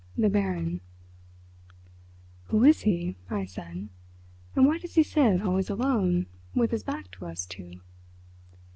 THE BARON "Who is he?" I said. "And why does he sit always alone, with his back to us, too?"